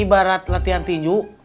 ibarat latihan tinju